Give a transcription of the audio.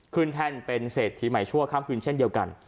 แท่นเป็นเศรษฐีใหม่ชั่วข้ามคืนเช่นเดียวกัน